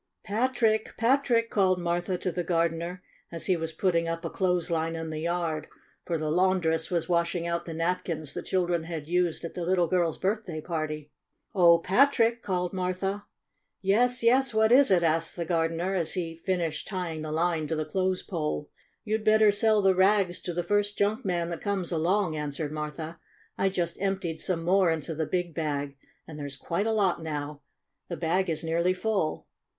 "Patrick! Patrick!" called Martha to the gardener, as he was putting up a IN THE JIJNK SHOP 89 clothes line in the yard, for the laundress was washing out the napkins the children had used at the little girl's birthday party. "Oh, Patrick!" called Martha. "Yes, yes ! What is it ?" asked the gar dener, as he finished tying the line to the clothes post. "You'd better sell the rags to the first junk man that comes along," answered Martha. "I just emptied some more into the big bag, and there's quite a lot now. The bag is nearly full."